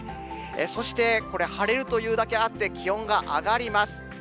そしてこれ、晴れるというだけあって、気温が上がります。